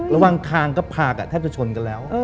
ระหว่างทางก็พากันแทบจะชนกันแล้ว